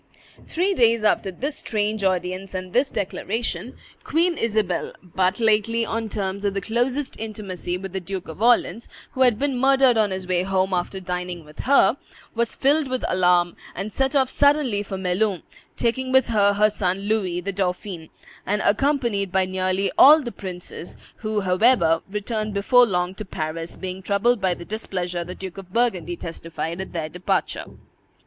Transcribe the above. Three days after this strange audience and this declaration, Queen Isabel, but lately on terms of the closest intimacy with the Duke of Orleans, who had been murdered on his way home after dining with her, was filled with alarm, and set off suddenly for Melun, taking with her her son Louis, the dauphin, and accompanied by nearly all the princes, who, however, returned before long to Paris, being troubled by the displeasure the Duke of Burgundy testified at their departure.